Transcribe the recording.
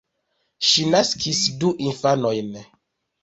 Ŝi naskis du infanojn.